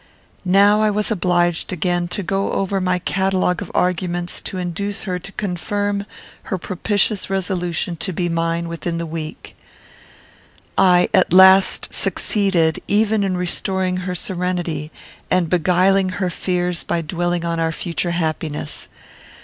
Now was I obliged again to go over my catalogue of arguments to induce her to confirm her propitious resolution to be mine within the week. I, at last, succeeded, even in restoring her serenity, and beguiling her fears by dwelling on our future happiness.